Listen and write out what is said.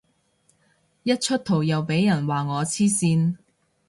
一出圖又俾人話我黐線